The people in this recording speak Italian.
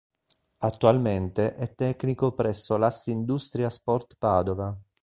Attualmente è tecnico presso l'Assindustria Sport Padova.